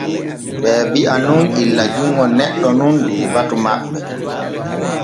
Ɓee bi’a nun illa junŋo neɗɗo nun der batu maɓɓe.